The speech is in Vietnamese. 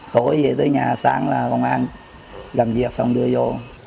tối về tới nhà sáng là công an làm việc xong đưa vô